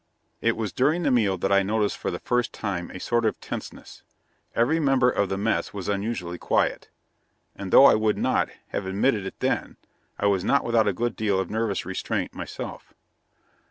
It was during the meal that I noticed for the first time a sort of tenseness; every member of the mess was unusually quiet. And though I would not, have admitted it then, I was not without a good deal of nervous restraint myself.